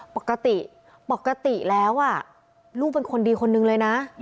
ปกติปกติแล้วลูกเป็นคนดีคนนึงเลยนะ